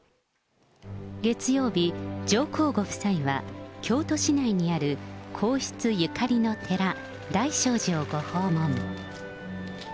月曜日、上皇ご夫妻は京都市内にある皇室ゆかりの寺、大聖寺をご訪問。